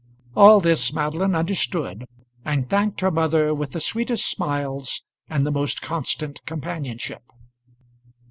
All this Madeline understood, and thanked her mother with the sweetest smiles and the most constant companionship.